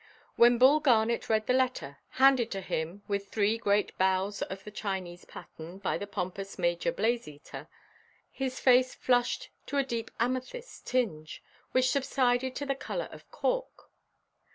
When Bull Garnet read this letter—handed to him, with three great bows of the Chinese pattern, by the pompous Major Blazeater—his face flushed to a deep amethyst tinge, which subsided to the colour of cork.